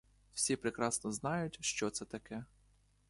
Всі прекрасно знають, що це таке.